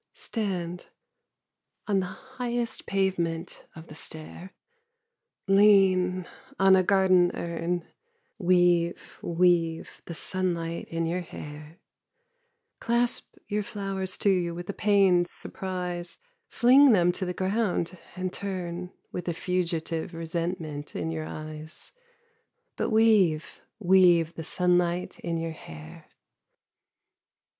Stand on the highest pavement of the stair Lean on a garden urn Weave, weave the sunlight in your hair Clasp your flowers to you with a pained surprise Fling them to the ground and turn With a fugitive resentment in your eyes: But weave, weave the sunlight in your hair.